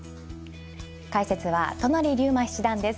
解説は都成竜馬七段です。